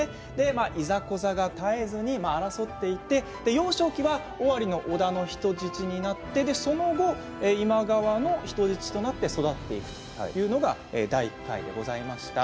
いざこざが絶えず、争っていて幼少期は尾張の織田の人質になって、その後今川の人質となって育っていくというのが第１回でございました。